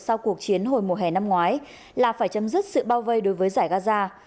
sau cuộc chiến hồi mùa hè năm ngoái là phải chấm dứt sự bao vây đối với giải gaza